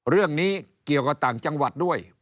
เรื่องนี้เกี่ยวกับต่างจังหวัดด้วย